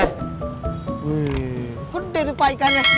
wih gede nih paikannya